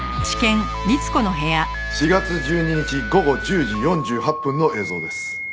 ４月１２日午後１０時４８分の映像です。